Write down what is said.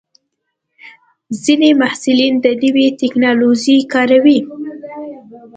ځینې محصلین د نوې ټکنالوژۍ کاروي.